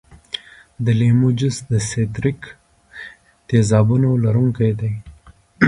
د لیمو جوس د ستریک تیزابونو لرونکی دی.